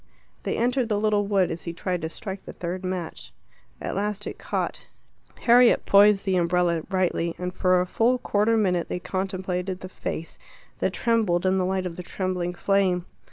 They entered the little wood as he tried to strike the third match. At last it caught. Harriet poised the umbrella rightly, and for a full quarter minute they contemplated the face that trembled in the light of the trembling flame.